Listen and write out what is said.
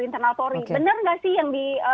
internal polri benar gak sih yang